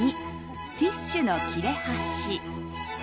２ティッシュの切れ端。